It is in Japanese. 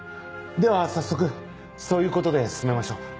では早速そういうことで進めましょう。